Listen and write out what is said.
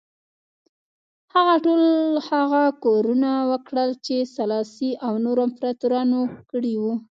هغه ټول هغه کارونه وکړل چې سلاسي او نورو امپراتورانو کړي وو.